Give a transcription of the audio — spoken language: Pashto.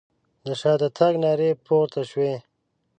د شاته تګ نارې پورته شوې.